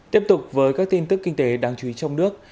tiếp tục với các tin tức kinh tế đáng chú ý trong nước